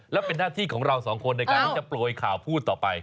แล้วเป็นหน้าที่ของเราสองคนในการที่จะโปรยข่าวพูดต่อไป